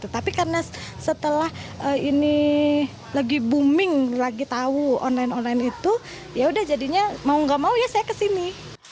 tapi karena setelah ini lagi booming lagi tahu online online itu yaudah jadinya mau gak mau ya saya kesini